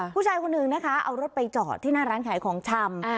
ผู้ชายคนหนึ่งนะคะเอารถไปจอดที่หน้าร้านขายของชำ